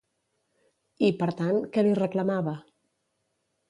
I, per tant, què li reclamava?